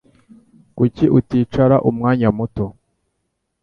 Kuki uticara umwanya muto?